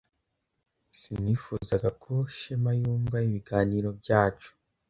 Sinifuzaga ko Shema yumva ibiganiro byacu.